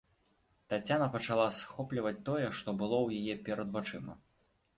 Таццяна пачала схопліваць тое, што было ў яе перад вачыма.